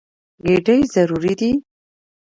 ګېډې ضروري دي.